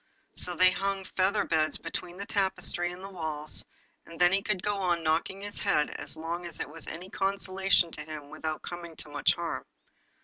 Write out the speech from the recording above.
So they hung feather beds between the tapestry and the walls, and then he could go on knocking his head as long as it was any consolation to him without coming to much harm.